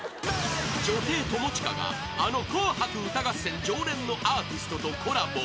［女帝友近があの『紅白歌合戦』常連のアーティストとコラボ］